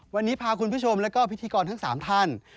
วันนี้พาคุณผู้ชมแล้วก็พิธีกรทั้ง๓ท่าน